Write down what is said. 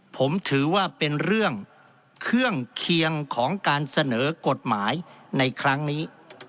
ผมถือว่าเป็นเรื่องเครื่องเคียงของการเสนอกฎหมายในครั้งนี้